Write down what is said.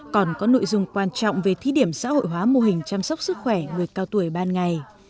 còn có nội dung quan trọng về thí điểm xã hội hóa mô hình chăm sóc sức khỏe người cao tuổi ban ngày